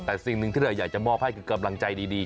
แต่สิ่งหนึ่งที่เราอยากจะมอบให้คือกำลังใจดี